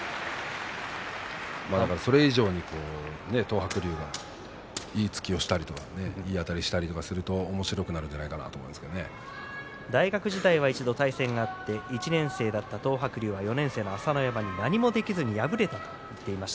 それ以上に東白龍がいい突きをしたりとかいいあたりをしたりするとおもしろくなるんじゃないかな大学時代は一度対戦があって１年生だった東白龍が４年生の朝乃山、何もせずに敗れています。